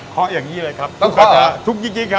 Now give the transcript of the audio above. ขออย่างงี้เลยครับต้องขอเหรอทุกข์จริงครับ